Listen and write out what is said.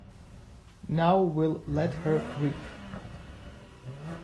Now we'll let her rip.